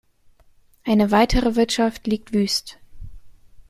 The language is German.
Eine weitere Wirtschaft liegt wüst.